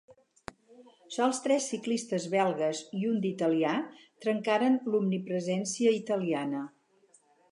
Sols tres ciclistes belgues i un d'italià trencaren l'omnipresència italiana.